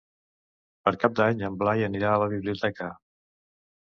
Per Cap d'Any en Blai anirà a la biblioteca.